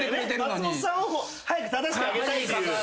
松本さんを早く正してあげたい。